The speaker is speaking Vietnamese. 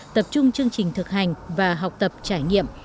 tập trung chương trình thực hành và học tập trải nghiệm